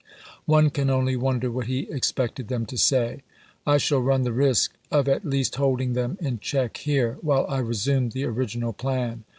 One can only wonder what he expected them to say. " I shall run the risk of at least holding them in check here, while I resume the original plan.